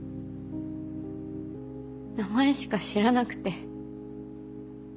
名前しか知らなくて。